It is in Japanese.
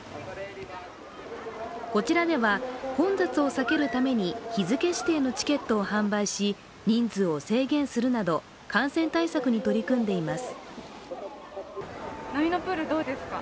こちらでは、混雑を避けるために日付指定のチケットを販売し人数を制限するなど感染対策に取り組んでいます。